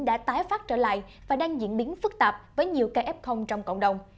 đã tái phát trở lại và đang diễn biến phức tạp với nhiều cây ép không trong cộng đồng